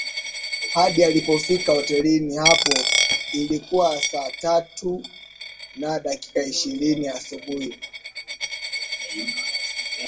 Hadi alipofika hotelini hapo ilikuwa saa tat una dakika ishirini asubuhi